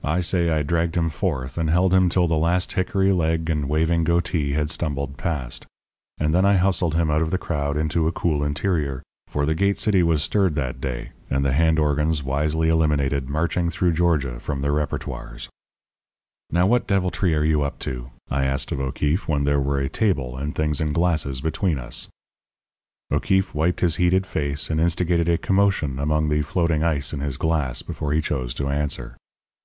I say I dragged him forth, and held him till the last hickory leg and waving goatee had stumbled past. And then I hustled him out of the crowd into a cool interior; for the Gate City was stirred that day, and the hand organs wisely eliminated "Marching Through Georgia" from their repertories. "Now, what deviltry are you up to?" I asked of O'Keefe when there were a table and things in glasses between us. O'Keefe wiped his heated face and instigated a commotion among the floating ice in his glass before he chose to answer.